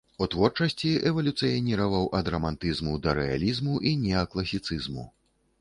У творчасці эвалюцыяніраваў ад рамантызму да рэалізму і неакласіцызму.